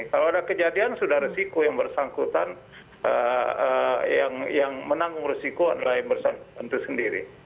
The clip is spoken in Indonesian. kalau ada kejadian sudah resiko yang bersangkutan yang menanggung resiko adalah yang bersangkutan itu sendiri